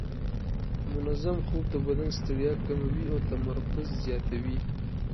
منظم خوب د بدن ستړیا کموي او تمرکز زیاتوي.